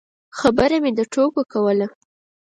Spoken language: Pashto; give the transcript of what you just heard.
خبره مې د ټوکو کوله.